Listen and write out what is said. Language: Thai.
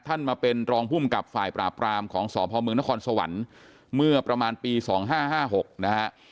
มาเป็นรองภูมิกับฝ่ายปราบรามของสพมนครสวรรค์เมื่อประมาณปี๒๕๕๖นะฮะ